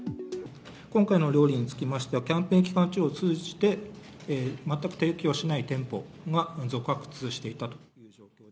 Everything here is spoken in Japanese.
今回の料理につきましては、キャンペーン期間中を通じて、全く提供しない店舗が続発していたと。